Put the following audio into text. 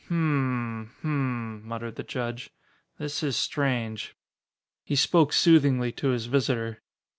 "Hm m hm m," muttered the judge, "this is strange." He spoke soothingly to his visitor.